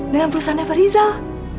dengan perusahaan eva rizal